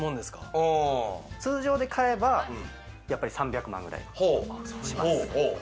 通常で買えば、やっぱり３００万くらいします。